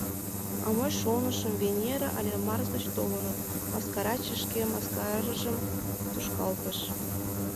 — А мый шонышым: Венера але Марс гыч толыныт, — мыскараче шке мыскаражым тушкалтыш.